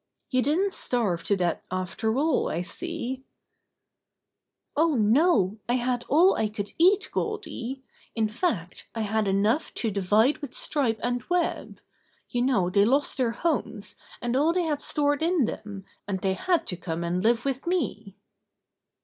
"You didn't starve to death after all, I see/' "Oh, no, I had all I could eat, Goldy. In fact, I had enough to divide with Stripe and Web. You know they lost their homes, and all they had stored in them, and they had to come and live with me."